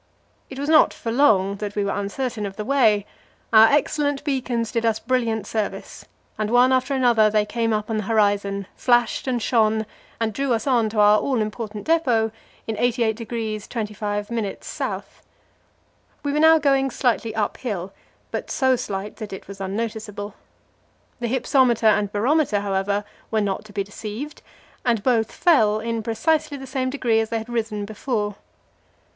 It was not for long that we were uncertain of the way: our excellent beacons did us brilliant service, and one after another they came up on the horizon, flashed and shone, and drew us on to our all important depot in 88° 25' S. We were now going slightly uphill, but so slightly that it was unnoticeable. The hypsometer and barometer, however, were not to be deceived, and both fell in precisely the same degree as they had risen before.